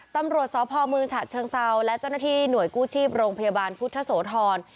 ตำรวจสพเมืองฉะเชิงเซาและเจ้าหน้าที่หน่วยกู้ชีพโรงพยาบาลพุทธโสธร